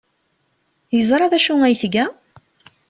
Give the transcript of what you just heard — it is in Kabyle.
Yeẓra d acu ay tga?